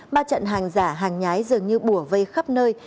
ma trận hàng giả hàng nhái dường như bùa vây khắp nơi